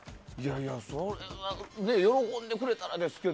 それは喜んでくれたらですけど。